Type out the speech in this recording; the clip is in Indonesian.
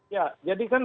ya jadi kan